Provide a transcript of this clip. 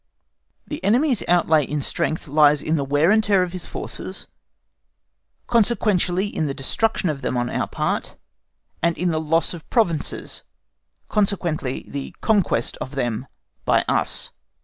The enemy's outlay in strength lies in the wear and tear of his forces, consequently in the destruction of them on our part, and in the loss of provinces, consequently the conquest of them by us.